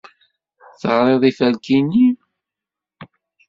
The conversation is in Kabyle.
Teɣriḍ iferki-nni?